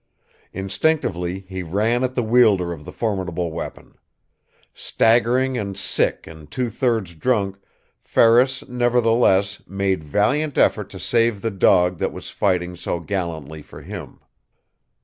Instinctively he ran at the wielder of the formidable weapon. Staggering and sick and two thirds drunk, Ferris, nevertheless, made valiant effort to save the dog that was fighting so gallantly for him.